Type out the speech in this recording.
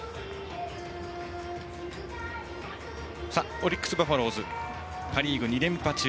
オリックス・バファローズパ・リーグ２連覇中。